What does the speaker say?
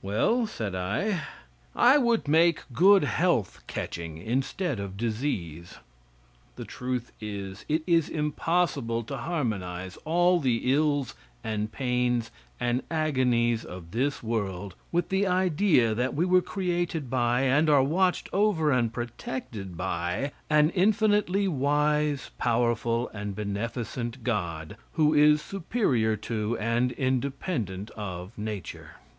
"Well," said I, "I would make good health catching, instead of disease." The truth is, it is impossible to harmonize all the ills, and pains, and agonies of this world with the idea that we were created by, and are watched over and protected by an infinitely wise, powerful and beneficent God, who is superior to and independent of nature.